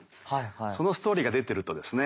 そのストーリーが出てるとですね